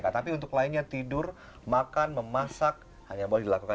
tapi untuk lainnya tidur makan memasak hanya boleh dilakukan